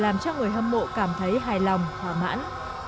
làm cho người hâm mộ cảm thấy hài lòng hòa mãn